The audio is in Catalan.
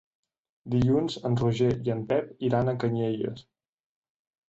Dilluns en Roger i en Pep iran a Canyelles.